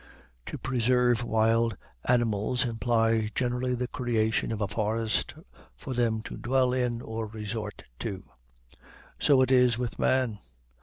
To preserve wild animals implies generally the creation of a forest for them to dwell in or resort to. So it is with man.